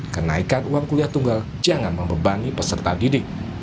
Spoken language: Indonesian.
kenaikan uang kuliah tunggal jangan membebani peserta didik